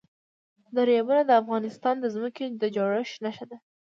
دریابونه د افغانستان د ځمکې د جوړښت نښه ده.